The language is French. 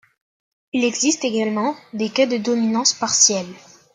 Il existe également des cas de dominance partielle.